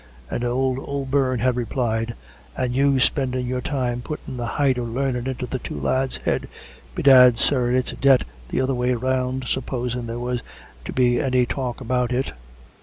And old O'Beirne had replied: "And you spendin' your time puttin' the heighth of larnin' into the two lads' heads! Bedad, sir, it's debt the other way round, supposin' there was to be any talk about it."